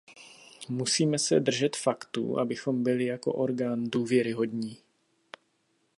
Musíme se držet faktů, abychom byli jako orgán důvěryhodní.